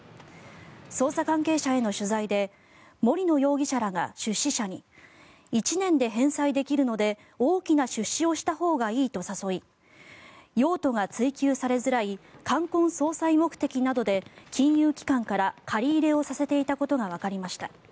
捜査関係者への取材で森野容疑者らが出資者に１年で返済できるので大きな出資をしたほうがいいと誘い用途が追及されづらい冠婚葬祭目的などで金融機関から借り入れをさせていたことがわかりました。